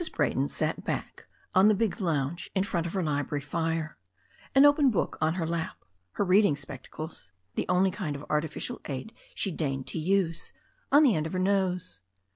BRAYTON sat back on the big lounge in front of her library fire, an open book on her lap, her reading spectacles — ^the only kind of arti ficial aid she deigned to use — on the end of her nose.